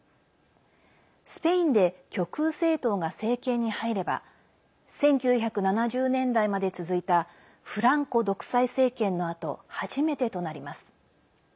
スペインで極右政党が政権に入れば１９７０年代まで続いたフランコ独裁政権のあと初めてとなります。